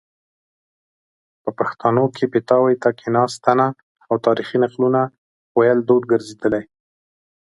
په پښتانو کې پیتاوي ته کیناستنه او تاریخي نقلونو ویل دود ګرځیدلی